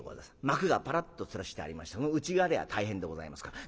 幕がパラッとつるしてありましてその内側では大変でございますから。